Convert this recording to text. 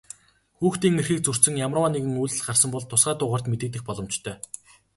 Хүүхдийн эрхийг зөрчсөн ямарваа нэгэн үйлдэл гарсан бол тусгай дугаарт мэдэгдэх боломжтой.